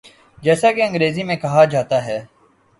جیسا کہ انگریزی میں کہا جاتا ہے۔